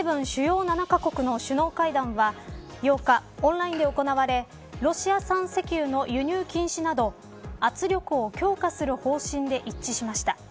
Ｇ７主要７カ国の首位の会談は８日、オンラインで行われロシア産石油の輸入禁止など圧力を強化する方針で一致しました。